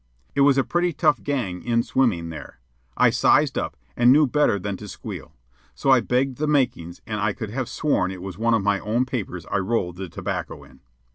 It was a pretty tough gang in swimming there. I sized up, and knew better than to squeal. So I begged "the makings," and I could have sworn it was one of my own papers I rolled the tobacco in.